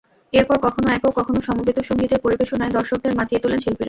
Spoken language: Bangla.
এরপর কখনো একক, কখনো সমবেত সংগীতের পরিবেশনায় দর্শকদের মাতিয়ে তোলেন শিল্পীরা।